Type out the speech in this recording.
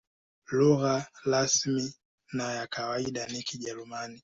Lugha rasmi na ya kawaida ni Kijerumani.